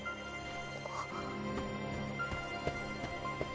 あっ。